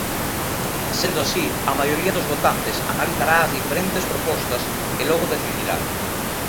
Sendo así, a maioría dos votantes analizará as diferentes propostas e logo decidirá.